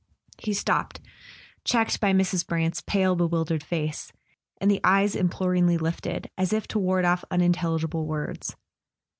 He stopped, checked by Mrs. Brant's pale bewildered face, and the eyes imploringly lifted, as if to ward off unintelligible words.